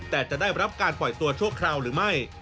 แต่จะได้รับการปล่อยตัวชั่วคราวหรือไม่